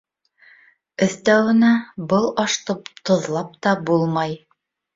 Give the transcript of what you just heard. Өҫтәүенә, был ашты тоҙлап та булмай.